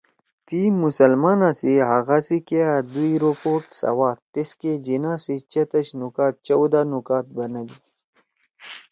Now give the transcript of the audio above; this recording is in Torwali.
تی مسلمانا سی حقآ سی کیا دُوئی رپورٹ سواد تیسکے جناح سی چتَش نکات )چودہ نکات( بنَدی